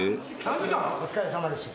お疲れさまでした。